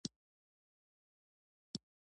ډله ییز عمل په دې برخه کې مهم دی.